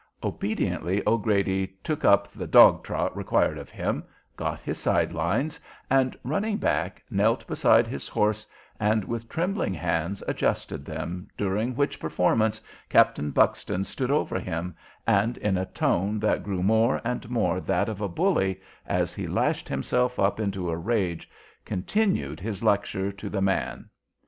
Obediently O'Grady took up the "dog trot" required of him, got his side lines, and, running back, knelt beside his horse, and with trembling hands adjusted them, during which performance Captain Buxton stood over him, and, in a tone that grew more and more that of a bully as he lashed himself up into a rage, continued his lecture to the man.